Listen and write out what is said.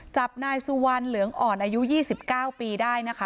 จับนายสุวรรณเหลืองอ่อนอายุ๒๙ปีได้นะคะ